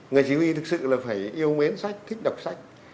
người chỉ huy thực sự là phải yêu mến sách thích đọc sách